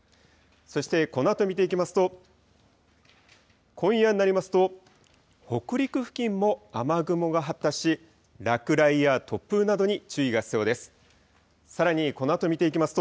そして、このあと見ていきますと、今夜になりますと、北陸付近も雨雲が発達し、落雷や突風などに注意が必要です。